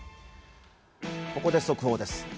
ここで速報です。